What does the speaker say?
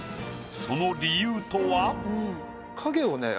その理由とは？